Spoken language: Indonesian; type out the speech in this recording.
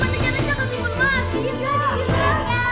aduh ternyata ku tak bisa